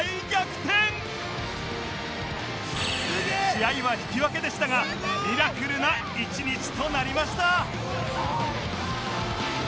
試合は引き分けでしたがミラクルな１日となりました